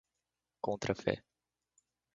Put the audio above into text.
contrafé